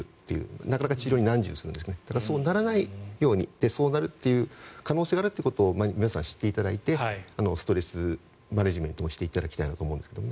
なかなか治療に難渋するんですがそうならないようにそうなる可能性があるということを皆さん知っていただいてストレスマネジメントをしていただきたいと思いますね。